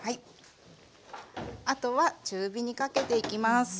あとは中火にかけていきます。